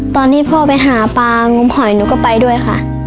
ตอนที่พ่อไปหาปลางมหอยหนูก็ไปด้วยค่ะ